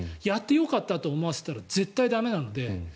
やってよかったと思わせたら絶対に駄目なので。